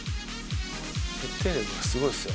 決定力はすごいですよ。